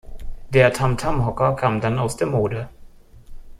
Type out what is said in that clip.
Der Tamtam-Hocker kam dann aus der Mode.